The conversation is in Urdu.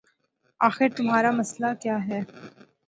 آخر تمہارا مسئلہ ہے کیا